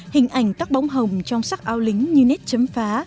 hình ảnh tắc bóng hồng trong sắc áo lính như nét chấm phá